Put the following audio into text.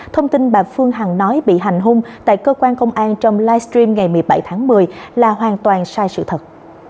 thông tin bà phương hằng nói bị hành hung tại cơ quan công an trong livestream ngày một mươi bảy tháng một mươi là hoàn toàn sai sự thật